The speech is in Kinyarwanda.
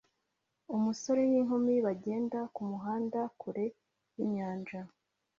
umusore n'inkumi bagenda kumuhanda kure yinyanja